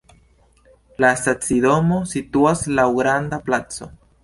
La stacidomo situas laŭ granda placo.